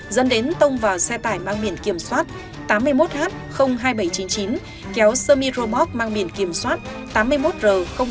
dẫn đến tông vào xe tải mang biển kiểm soát tám mươi một h hai nghìn bảy trăm chín mươi chín kéo semi robot mang biển kiểm soát tám mươi một r một nghìn năm mươi một